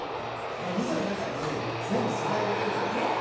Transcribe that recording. みその中に全部素材入れてるんじゃない？